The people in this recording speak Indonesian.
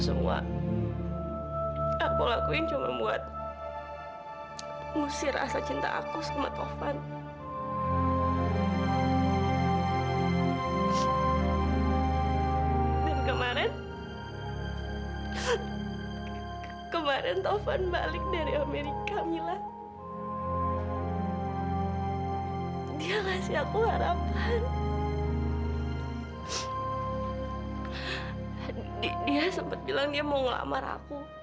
sampai jumpa di video selanjutnya